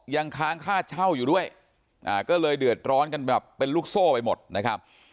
ยังค้างค่าเช่าอยู่ด้วยก็เลยเดือดร้อนกันแบบเป็นลูกโซ่ไปหมดนะครับ